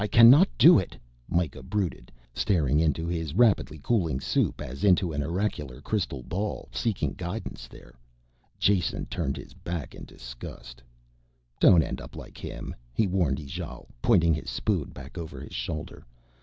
I cannot do it," Mikah brooded, staring into his rapidly cooling soup as into an oracular crystal ball, seeking guidance there. Jason turned his back in disgust. "Don't end up like him," he warned Ijale, pointing his spoon back over his shoulder.